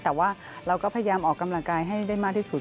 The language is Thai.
แต่ว่าเราก็พยายามออกกำลังกายให้ได้มากที่สุด